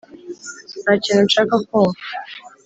ntakintu nshaka kumva